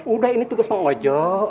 udah ini tugas bang ojek